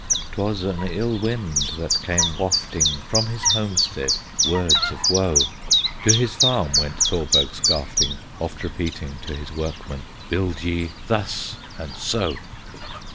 'Twas an ill wind that came wafting, From his homestead words of woe; To his farm went Thorberg Skafting, Oft repeating to his workmen, Build ye thus and so.